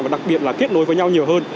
và đặc biệt là kết nối với nhau nhiều hơn